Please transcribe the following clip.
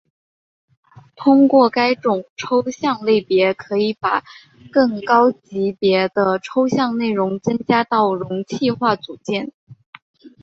通过该种抽象类别可以把更高级别的抽象内容增加到容器化组件。